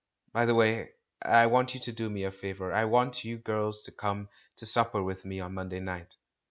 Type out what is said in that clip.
By the way, I want you to do me a favour — I want you girls to come to supper with me on Monday night.